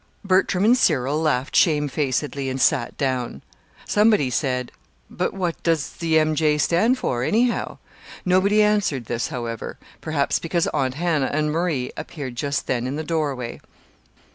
Bertram and Cyril laughed shamefacedly and sat down. Somebody said: "But what does the 'M. J.' stand for, anyhow?" Nobody answered this, however; perhaps because Aunt Hannah and Marie appeared just then in the doorway.